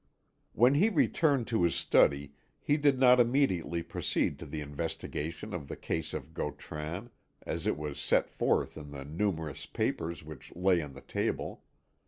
When he retired to his study he did not immediately proceed to the investigation of the case of Gautran, as it was set forth in the numerous papers which lay on the table.